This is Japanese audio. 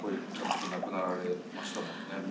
亡くなられましたもんね。